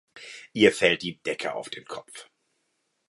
Ihr fällt die Decke auf dem Kopf.